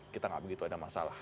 kita nggak begitu ada masalah